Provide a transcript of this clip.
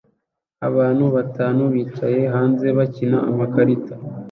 Abantu batanu bicaye hanze bakina amakarita